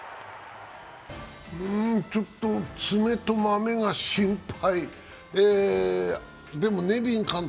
ちょっと爪とマメが心配。